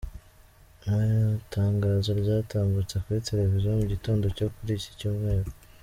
Mu Itangazo ryatambutse kuri Televiziyo mu gitondo cyo kuri ’iki cyumweru,.